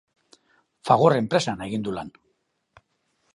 Fagor enpresan egin du lan.